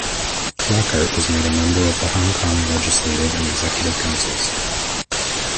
Lockhart was made a member of the Hong Kong Legislative and Executive Councils.